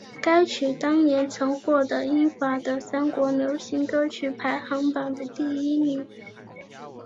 该曲当年曾获得英法德三国流行歌曲排行榜的第一名。